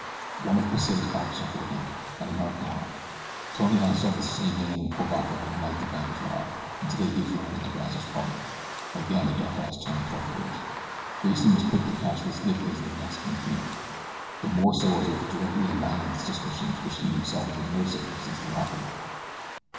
"One of Pesita's officers rode him an Americano. Tony and I saw this same man in Cuivaca the night the bank was robbed, and today he was riding the Brazos pony." Again the dark eyes turned toward Bridge. Grayson was quick to catch the significance of the Mexican's meaning. The more so as it was directly in line with suspicions which he himself had been nursing since the robbery.